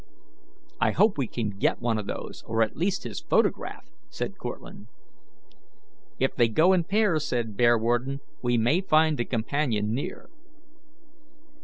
"I hope we can get one of those, or at least his photograph," said Cortlandt. "If they go in pairs," said Bearwarden, "we may find the companion near."